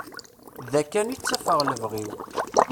Da kan i ttafeɣ lebɣi-w.